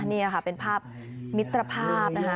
นี่ค่ะเป็นภาพมิตรภาพนะคะ